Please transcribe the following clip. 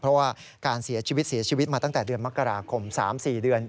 เพราะว่าการเสียชีวิตเสียชีวิตมาตั้งแต่เดือนมกราคม๓๔เดือน